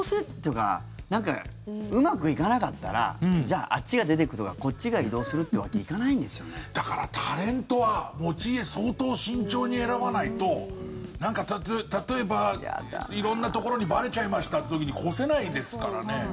なんかうまくいかなかったらじゃあ、あっちが出ていくとかこっちが移動するってわけにだからタレントは持ち家、相当慎重に選ばないとなんか例えば色んなところにばれちゃいましたって時に越せないですからね。